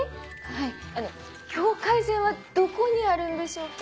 はい境界線はどこにあるんでしょうか？